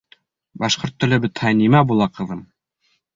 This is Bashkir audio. — Башҡорт теле бөтһә, нимә була, ҡыҙым?